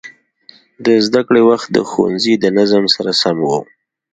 د زده کړې وخت د ښوونځي د نظم سره سم و.